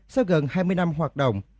sau gần hai mươi năm hoạt động